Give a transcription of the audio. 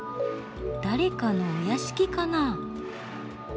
誰かのお屋敷かな？